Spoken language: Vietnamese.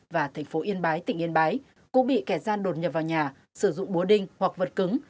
và thành phố yên bái tỉnh yên bái cũng bị kẻ gian đột nhập vào nhà sử dụng búa đinh hoặc vật cứng